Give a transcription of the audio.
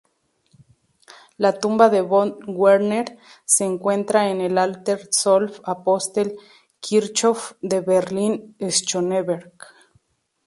La tumba de von Werner se encuentra en el Alter Zwölf-Apostel-Kirchhof de Berlin-Schöneberg.